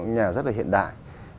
nhà rất là hiện đại